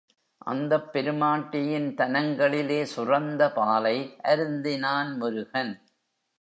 அந்தப் பெருமாட்டியின் தனங்களிலே சுரந்த பாலை அருந்தினான் முருகன்.